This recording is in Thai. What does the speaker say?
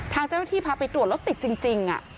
ทางเจ้าหน้าที่พาไปตรวจแล้วติดจริง